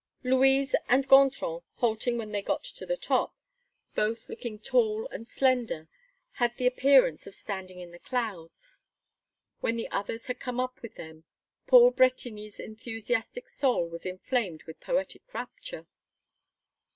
Louise and Gontran, halting when they got to the top, both looking tall and slender, had the appearance of standing in the clouds. When the others had come up with them, Paul Bretigny's enthusiastic soul was inflamed with poetic rapture.